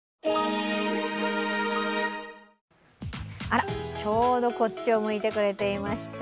あら、ちょうどこっちを向いてくれていました。